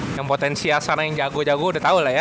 yang potensial sana yang jago jago udah tau lah ya